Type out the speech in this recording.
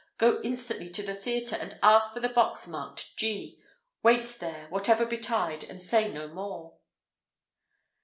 "Go instantly to the theatre, and ask for the box marked G. Wait there, whatever betide and say no more."